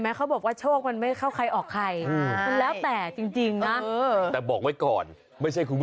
แม่งแม่งแม่งแม่งแม่งแม่งแม่งแม่ง